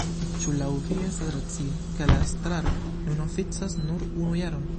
Ĉu laŭ vi estas racie, ke la estraro nun oficas nur unu jaron?